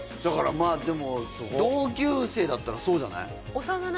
まあでも同級生だったらそうじゃない？